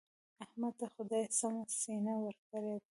احمد ته خدای سمه سینه ورکړې ده.